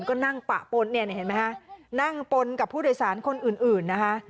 ก็นั่งปะปนเนี่ยเห็นไหมคะนั่งปนกับผู้โดยสารคนอื่นนะคะ